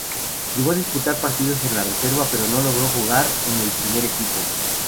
Llegó a disputar partidos en reserva pero no logró jugar en el primer equipo.